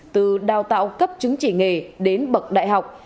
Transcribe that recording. từ đào tạo cấp chứng chỉ nghề đến bậc đại học